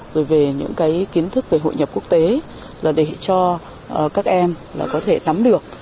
rồi về những kiến thức về hội nhập quốc tế để cho các em có thể nắm được